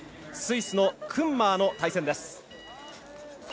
スイスのクンマーの対戦です。